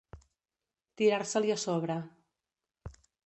Tirar-se-li a sobre.